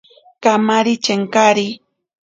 Kamari chenkari.